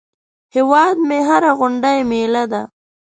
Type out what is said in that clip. هیواد مې هره غونډۍ مېله ده